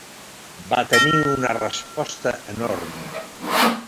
Va tenir una resposta enorme.